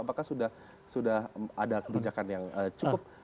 apakah sudah ada kebijakan yang cukup